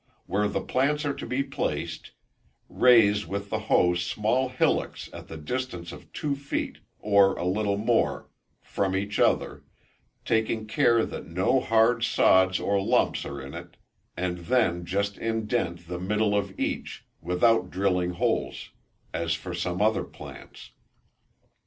Where the plants are to be placed, raise with the hoe small hillocks at the distance of two feet, or a little more, from each other, taking care that no hard sods or lumps are in it, and then just indent the middle of each, without drilling holes as for some other plants.